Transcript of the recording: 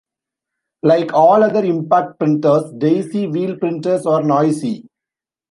Like all other impact printers, daisy wheel printers are noisy.